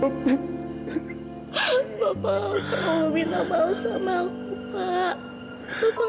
bapak nggak perlu minta maaf sama aku pak